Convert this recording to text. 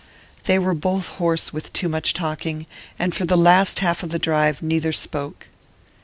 They were both hoarse with too much talking, and for the last half of the drive neither spoke.